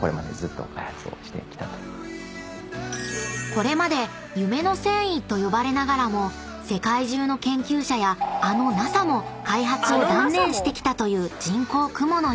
［これまで夢の繊維と呼ばれながらも世界中の研究者やあのＮＡＳＡも開発を断念してきたという人工クモの糸］